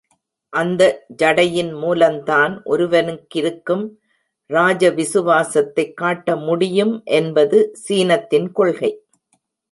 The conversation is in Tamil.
அந்த ஜடையின் மூலந்தான் ஒருவனுக்கிருக்கும் ராஜவிசுவாசத்தைக் காட்டமுடியும் என்பது சீனத்தின் கொள்கை.